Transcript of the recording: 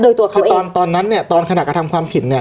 โดยตัวเขาคือตอนตอนนั้นเนี่ยตอนขณะกระทำความผิดเนี่ย